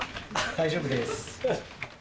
大丈夫です。